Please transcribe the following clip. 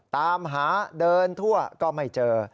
ตามหาเดินทั่วก็ไม่เจอ